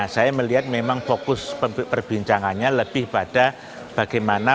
saya melihat memang fokus perbincangannya lebih pada bagaimana